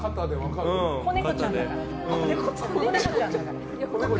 子猫ちゃんだから。